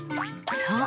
そう。